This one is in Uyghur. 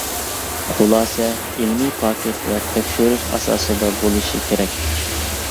خۇلاسە ئىلمىي پاكىت ۋە تەكشۈرۈش ئاساسىدا بولۇشى كېرەك.